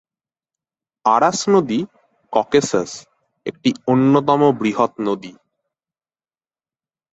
আরাস নদী ককেসাস একটি অন্যতম বৃহৎ নদী।